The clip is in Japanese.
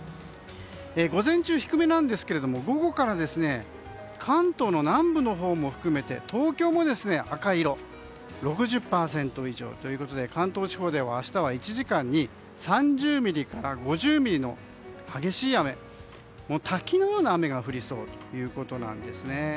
午前中、低めなんですが午後から関東の南部も含めて東京も赤色６０％以上ということで関東地方では明日は１時間に３０ミリから５０ミリの激しい雨滝のような雨が降りそうということなんですね。